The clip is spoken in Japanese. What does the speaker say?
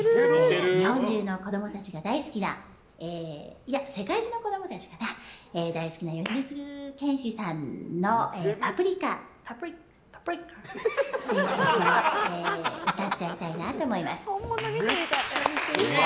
日本中の子供たちが大好きないや、世界中の子供たちが大好きな米津玄師さんの「パプリカ」を歌っちゃいたいなと思います。